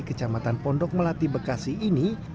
kecamatan pondok melati bekasi ini